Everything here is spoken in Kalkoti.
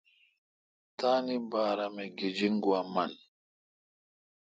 تانی بارہ می گیجن گوا من۔